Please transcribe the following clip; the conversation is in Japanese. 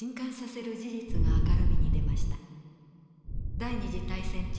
第二次大戦中